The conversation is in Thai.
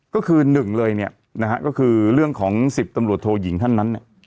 ก็คือหนึ่งเลยเนี่ยนะฮะก็คือเรื่องของ๑๐ตำรวจโทยิงท่านนั้นเนี่ย